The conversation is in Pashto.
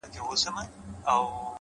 قاضي صاحبه ملامت نه یم!! بچي وږي وه!!